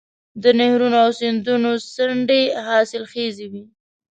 د نهرونو او سیندونو څنډې حاصلخیزې وي.